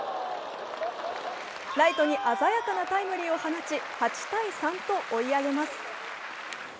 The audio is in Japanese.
ライトに鮮やかなタイムリーを放ち８−３と追い上げます。